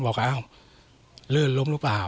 บอกอ้าวลื่นล้มหรือเปล่า